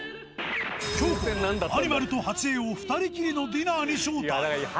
京子がアニマルと初枝を２人きりのディナーに招待。